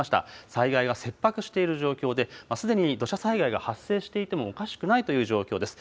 災害が切迫している状況で、すでに土砂災害が発生していてもおかしくないという状況です。